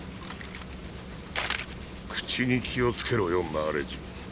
口に気をつけろよマーレ人。